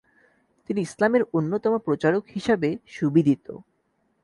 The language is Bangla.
তিনি ইসলামের অন্যতম প্রচারক হিসাবে সুবিদিত।